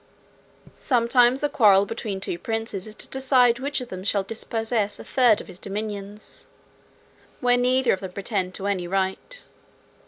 "Sometimes the quarrel between two princes is to decide which of them shall dispossess a third of his dominions, where neither of them pretend to any right.